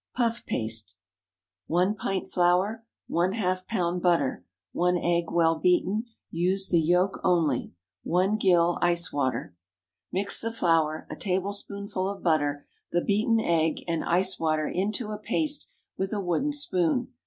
PUFF PASTE. 1 pint flour. ½ lb. butter. 1 egg, well beaten. Use the yolk only. 1 gill ice water. Mix the flour, a tablespoonful of butter, the beaten egg and ice water into a paste with a wooden spoon.